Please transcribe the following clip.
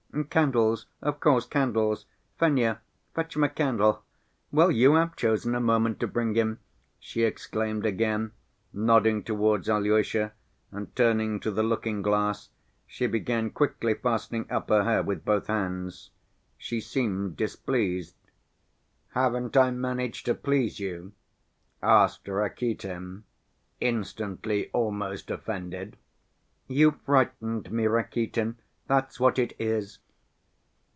"Candles ... of course, candles.... Fenya, fetch him a candle.... Well, you have chosen a moment to bring him!" she exclaimed again, nodding towards Alyosha, and turning to the looking‐glass she began quickly fastening up her hair with both hands. She seemed displeased. "Haven't I managed to please you?" asked Rakitin, instantly almost offended. "You frightened me, Rakitin, that's what it is."